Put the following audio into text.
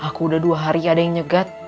aku udah dua hari ada yang nyegat